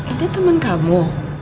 ada teman kamu